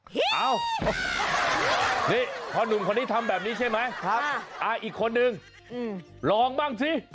เอ้านี่พอหนุ่มคนนี้ทำแบบนี้ใช่ไหมอีกคนนึงลองบ้างสิ